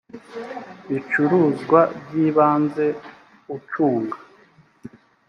bicuruzwa by ibanze ucunga